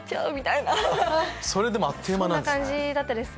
でもあっという間なんですね。